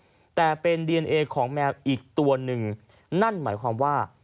และถือเป็นเคสแรกที่ผู้หญิงและมีการทารุณกรรมสัตว์อย่างโหดเยี่ยมด้วยความชำนาญนะครับ